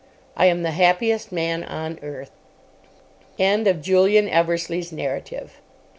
I am the happiest man on earth. _(End of Julian Eversleigh's narrative.)